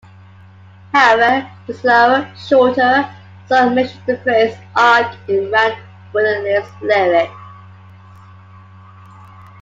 However, the slower, shorter song mentions the phrase "arc in round" within its lyrics.